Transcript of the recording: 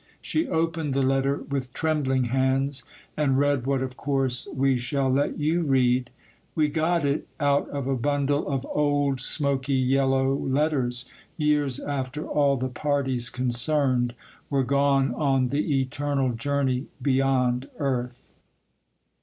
She opened the letter with trembling hands, and read what of course we shall let you read. We got it out of a bundle of old, smoky, yellow letters, years after all the parties concerned were gone on the eternal journey beyond earth.